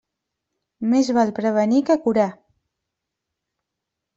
Més val prevenir que curar.